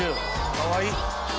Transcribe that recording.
かわいい！